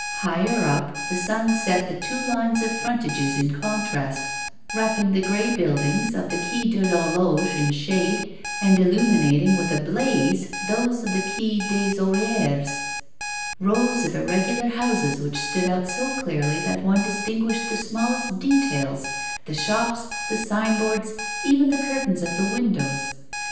Higher up, the sun set the two lines of frontages in contrast, wrapping the grey buildings of the Quai de l'Horloge in shade, and illumining with a blaze those of the Quai des Orfèvres, rows of irregular houses which stood out so clearly that one distinguished the smallest details, the shops, the signboards, even the curtains at the windows.